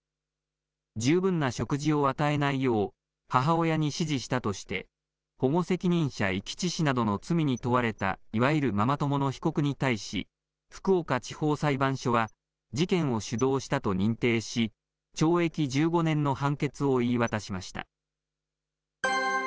十分な食事を与えないよう、母親に指示したとして、保護責任者遺棄致死などの罪に問われた、いわゆるママ友の被告に対し、福岡地方裁判所は、事件を主導したと認定し、懲役１５年の判決を言い渡しました。